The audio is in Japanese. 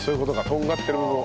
とんがってる部分を。